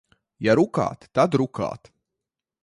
Ja rukāt, tad rukāt.